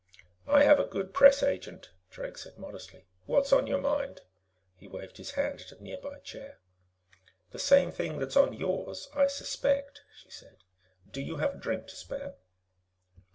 "I have a good press agent," Drake said modestly. "What's on your mind?" He waved his hand at a nearby chair. "The same thing that's on yours, I suspect," she said. "Do you have a drink to spare?"